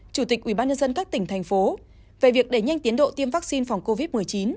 chủ tịch ủy ban nhân dân các tỉnh thành phố về việc đẩy nhanh tiến độ tiêm vaccine phòng covid một mươi chín